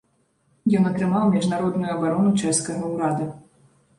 Ён атрымаў міжнародную абарону чэшскага ўрада.